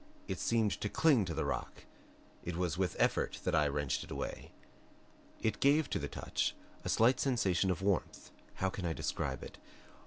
It seemed to cling to the rock; it was with effort that I wrenched it away. It gave to the touch a slight sensation of warmth how can I describe it?